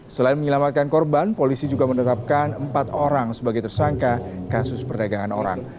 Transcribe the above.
selain menyelamatkan korban polisi juga menetapkan empat orang sebagai tersangka kasus perdagangan orang